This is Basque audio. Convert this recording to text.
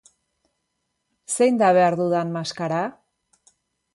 Zein da behar dudan maskara?